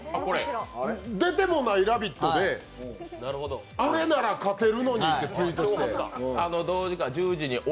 出てもない「ラヴィット！」で俺なら勝てるのにってツイートして。